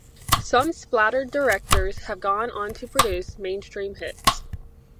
Some splatter directors have gone on to produce mainstream hits.